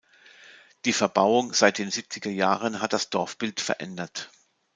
Die Verbauung seit den siebziger Jahren hat das Dorfbild verändert.